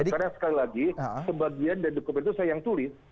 karena sekali lagi sebagian dari dokumen itu saya yang tulis